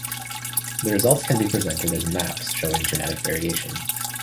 The results can be presented as maps showing genetic variation.